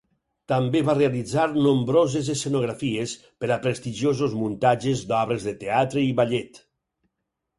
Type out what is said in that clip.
També va realitzar nombroses escenografies per a prestigiosos muntatges d'obres de teatre i ballet.